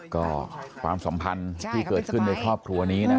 ก็ความสำคัญที่เกิดขึ้นในครอบครัวนี้นะครับ